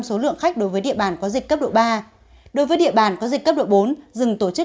số lượng khách đối với địa bàn có dịch cấp độ ba đối với địa bàn có dịch cấp độ bốn dừng tổ chức